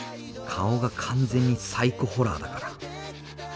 顔が完全にサイコホラーだから！